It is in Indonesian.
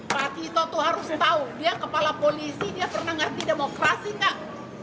pak tito tuh harus tau dia kepala polisi dia pernah ngasih demokrasi gak